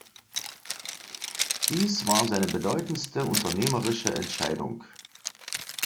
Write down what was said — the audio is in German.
Dies war seine bedeutendste unternehmerische Entscheidung.